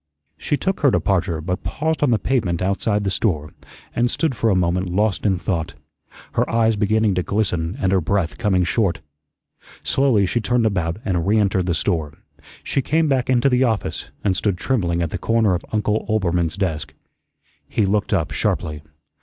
She took her departure, but paused on the pavement outside the store, and stood for a moment lost in thought, her eyes beginning to glisten and her breath coming short. Slowly she turned about and reentered the store; she came back into the office, and stood trembling at the corner of Uncle Oelbermann's desk. He looked up sharply.